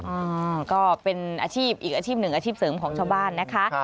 อ่าก็เป็นอาชีพอีกอาชีพหนึ่งอาชีพเสริมของชาวบ้านนะคะ